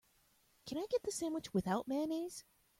Can I get the sandwich without mayonnaise?